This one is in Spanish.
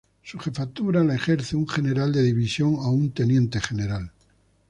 Su jefatura la ejerce un general de división o un teniente general.